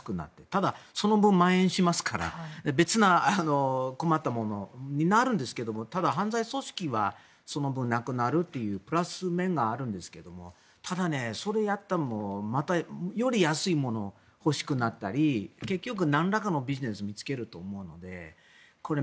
ただ、その分まん延しますから別の困ったものになるんですがただ、犯罪組織はその分、なくなるというプラス面があるんですけどただ、それをやったらまた、より安いものを欲しくなったり結局、なんらかのビジネスを見つけると思うのでこれ、